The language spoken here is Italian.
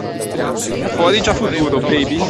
Fuori è già futuro, baby!